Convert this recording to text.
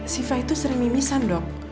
siva itu sering mimisan dok